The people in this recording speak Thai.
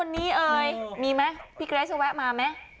ไปถ่ายเราดิแม่น